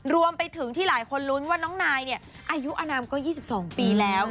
รวมไปถึงที่หลายคนลุ้นว่าน้องนายเนี่ยอายุอนามก็๒๒ปีแล้ว